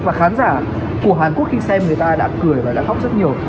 và khán giả của hàn quốc khi xem người ta đã cười và đã khóc rất nhiều